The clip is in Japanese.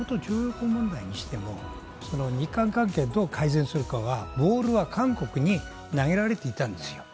元徴用工問題にしても、日韓関係をどう改善するかはボールは韓国に投げられていたんですよ。